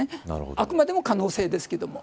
あくまでも可能性ですけれども。